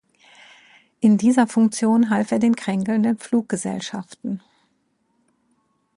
In dieser Funktion half er den kränkelnden Fluggesellschaften.